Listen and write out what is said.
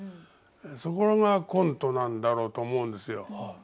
そこがコントなんだろうと思うんですよ。